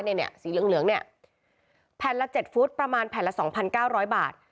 เนี่ยสีเหลืองเหลืองเนี่ยแผ่นละ๗ฟุตประมาณแผ่นละสองพันเก้าร้อยบาท